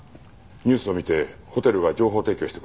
ニュースを見てホテルが情報提供してくれました。